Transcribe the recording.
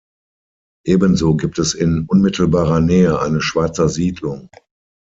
Ebenso gibt es in unmittelbarer Nähe eine Schweizer Siedlung.